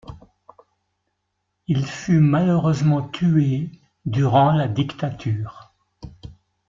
Il fut malheureusement tué durant la dictature.